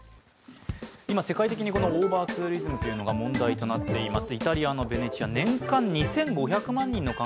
今世界的にこのオーバーツーリズムというのが問題となっています。